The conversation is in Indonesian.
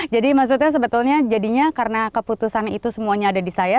jadi maksudnya sebetulnya jadinya karena keputusan itu semuanya ada di saya